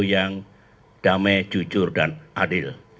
yang damai jujur dan adil